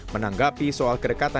menanggapi soal kebenaran